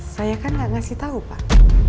saya kan gak ngasih tau pak